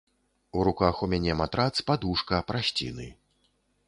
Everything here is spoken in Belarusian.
У руках у мяне матрац, падушка, прасціны.